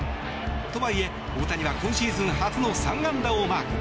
とはいえ、大谷は今シーズン初の３安打をマーク。